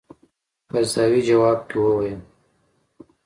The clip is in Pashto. قرضاوي ځواب کې وویل.